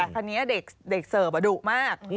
แต่พอนี้เด็กเสิร์ฟดุมาก